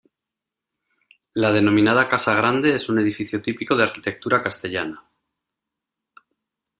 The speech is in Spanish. La denominada Casa grande es un edificio típico de arquitectura castellana.